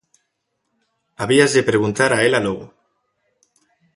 Habíaslle preguntar a ela logo.